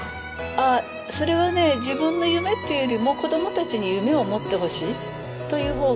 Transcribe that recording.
ああそれはね自分の夢っていうよりも子どもたちに夢を持ってほしいという方が夢っていうか。